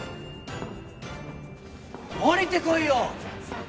下りてこいよ！